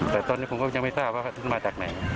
แต่ตอนนี้ผมก็ยังไม่ทราบว่าท่านมาจากไหน